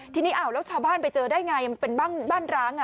ทีนี้อ้าวแล้วชาวบ้านไปเจอได้ไงมันเป็นบ้านร้าง